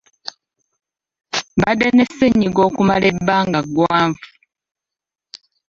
Mbadde ne ssenyiga okumala ebbanga ggwanvu.